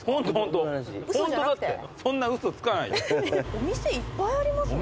お店いっぱいありますね。